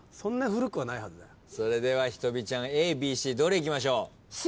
それでは仁美ちゃんＡＢＣどれいきましょう？